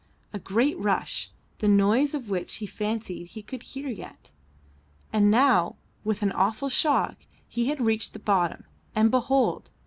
A great rush, the noise of which he fancied he could hear yet; and now, with an awful shock, he had reached the bottom, and behold!